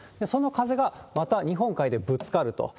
その風がまた日本海でぶつかると。